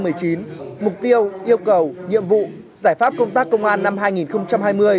mục tiêu yêu cầu nhiệm vụ giải pháp công tác công an năm hai nghìn hai mươi